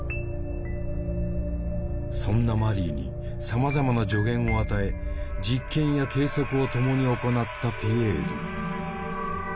そんなマリーにさまざまな助言を与え実験や計測を共に行ったピエール。